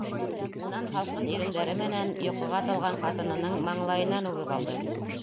Унан һалҡын ирендәре менән йоҡоға талған ҡатынының маңлайынан үбеп алды.